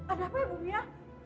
ada apa ibu mia